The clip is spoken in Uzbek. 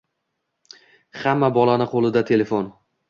Hamma bolani qo’lida telefon.